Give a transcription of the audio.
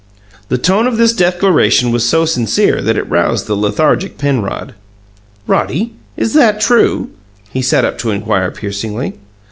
The tone of this declaration was so sincere that it roused the lethargic Penrod. "Roddy, is that true?" he sat up to inquire piercingly.